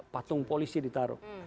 patung polisi ditaruh